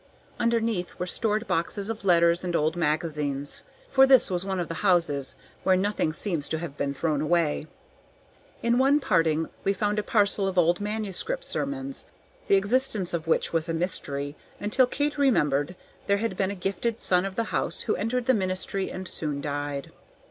Underneath were stored boxes of letters and old magazines; for this was one of the houses where nothing seems to have been thrown away. In one parting we found a parcel of old manuscript sermons, the existence of which was a mystery, until Kate remembered there had been a gifted son of the house who entered the ministry and soon died.